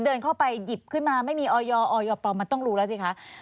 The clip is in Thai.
เดินเข้าไปหยิบขึ้นมาไม่มีออยออยปลอมมันต้องรู้แล้วสิคะ